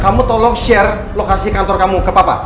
kamu tolong share lokasi kantor kamu ke papa